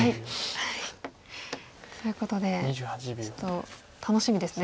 ということでちょっと楽しみですね。